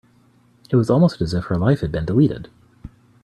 It was almost as if her life had been deleted.